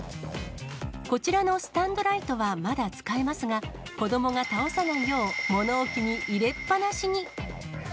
こちらのスタンドライトはまだ使えますが、子どもが倒さないよう、物置に入れっぱなしに。